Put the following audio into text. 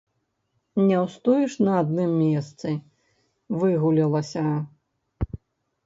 Не ўстоіш на адным месцы, выгулялася!